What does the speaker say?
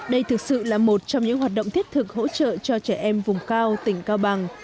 đây thực sự là một trong những hoạt động thiết thực hỗ trợ cho trẻ em vùng cao tỉnh cao bằng